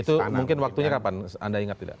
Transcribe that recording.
itu mungkin waktunya kapan anda ingat tidak